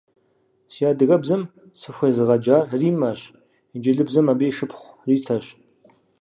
Сэ адыгэбзэм сыхуезыгъэджар Риммэщ, инджылыбзэм - абы и шыпхъу Ритэщ.